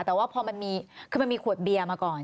แต่ว่าพอมันมีคือมันมีขวดเบียร์มาก่อน